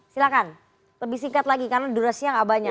silahkan lebih singkat lagi karena durasinya gak banyak